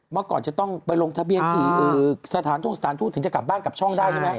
เมื่อก่อนจะต้องไปลงทะเบียนที่สถานทงสถานทูตถึงจะกลับบ้านกลับช่องได้ใช่ไหม